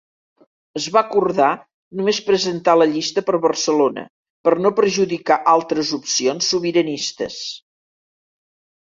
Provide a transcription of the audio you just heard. Es va acordar només presentar la llista per Barcelona, per no perjudicar altres opcions sobiranistes.